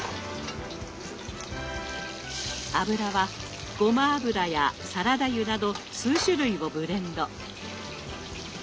油はごま油やサラダ油など数種類をブレンド。